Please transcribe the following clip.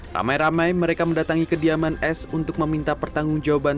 ramai ramai mereka mendatangi kediaman s untuk meminta pertanggung jawaban